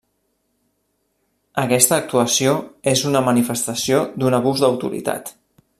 Aquesta actuació és una manifestació d'un abús d'autoritat.